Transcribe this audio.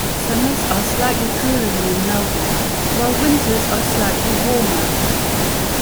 Summers are slightly cooler than in Melbourne, while winters are slightly warmer.